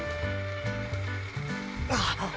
あっ。